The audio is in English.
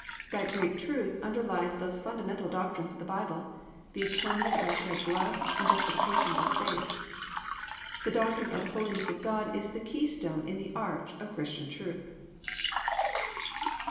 That great truth underlies those fundamental doctrines of the Bible,—the Atonement by Shed Blood and Justification by Faith. _The doctrine of the holiness of God is the keystone in the arch of Christian truth.